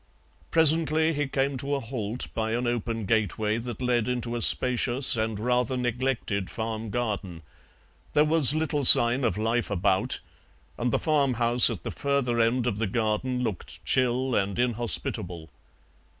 Presently he came to a halt by an open gateway that led into a spacious and rather neglected farm garden; there was little sign of life about, and the farm house at the further end of the garden looked chill and inhospitable.